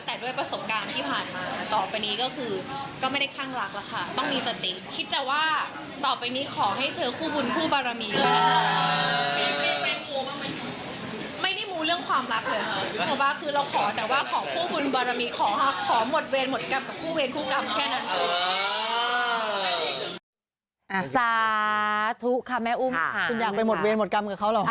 แต่ด้วยประสบการณ์ที่ผ่านมาต่อไปนี้ก็คือ